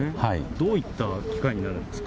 どういった機械になるんですか？